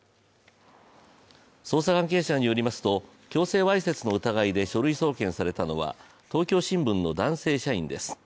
捜査関係者によりますと、強制わいせつの疑いで書類送検されたのは東京新聞の男性社員です。